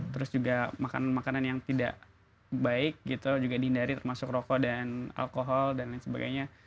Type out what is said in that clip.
terus juga makanan makanan yang tidak baik gitu juga dihindari termasuk rokok dan alkohol dan lain sebagainya